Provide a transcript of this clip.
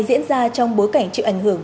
diễn ra trong bối cảnh chịu ảnh hưởng